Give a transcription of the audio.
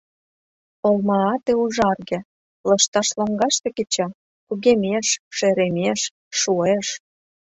Олма ате ужарге, лышташ лоҥгаште кеча, кугемеш, шеремеш, шуэш.